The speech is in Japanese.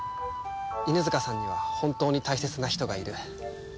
犬塚さんには本当に大切な人がいる。